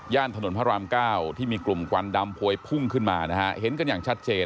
ย่านถนนพระราม๙ที่มีกลุ่มกวันดำโพยพุ่งขึ้นมาเห็นกันอย่างชัดเจน